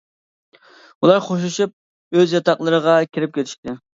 ئۇلار خوشلىشىپ ئۆز ياتاقلىرىغا كىرىپ كېتىشتى.